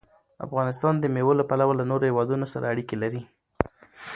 افغانستان د مېوو له پلوه له نورو هېوادونو سره اړیکې لري.